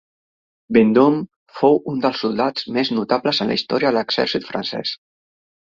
Vendôme fou un dels soldats més notables en la història de l'exèrcit francès.